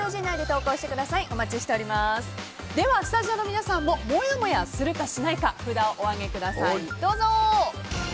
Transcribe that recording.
スタジオの皆さんももやもやするかしないか札をお上げください。